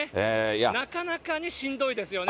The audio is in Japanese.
なかなかしんどいですよね。